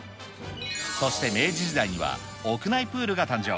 そして明治時代には、屋内プールが誕生。